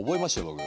僕。